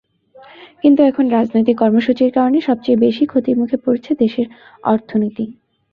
কিন্তু এখন রাজনৈতিক কর্মসূচির কারণে সবচেয়ে বেশি ক্ষতির মুখে পড়ছে দেশের অর্থনীতি।